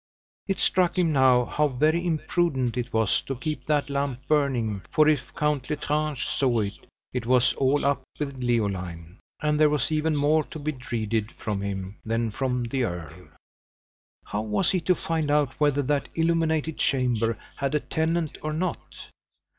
It struck him now how very imprudent it was to keep that lamp burning; for if Count L'Estrange saw it, it was all up with Leoline and there was even more to be dreaded from him than from the earl. How was he to find out whether that illuminated chamber had a tenant or not?